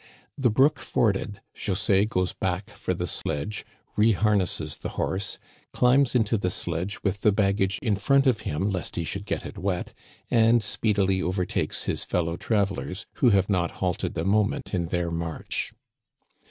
The brook forded, José goes back for the sledge, rehamesses the horse, climbs into the sledge with the baggage in front of him lest he should get it wet, and speedily over takes his fellow travelers, who have not halted a mo ment in their march.